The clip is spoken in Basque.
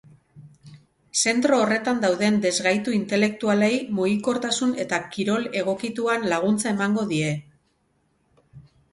Zentro horretan dauden desgaitu intelektualei mugikortasun eta kirol egokituan laguntza emango die.